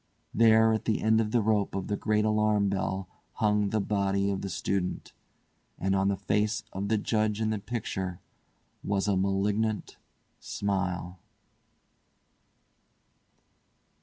There at the end of the rope of the great alarm bell hung the body of the student, and on the face of the Judge in the picture was a malignant smile.